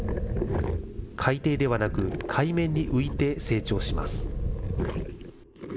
海底ではなく、海面に浮いて成長します。